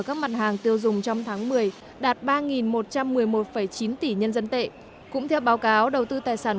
các mặt hàng tiêu dùng trong tháng một mươi đạt ba một trăm một mươi một chín tỷ nhân dân tệ cũng theo báo cáo đầu tư tài sản